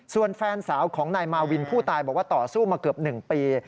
ส่วนแฟนสาวของนายมาวินผู้ตายบอกว่าต่อสู้มาเกือบ๑ปี